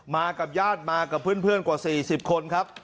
มากับญาติมากับเพื่อนกว่า๔๐คนครับ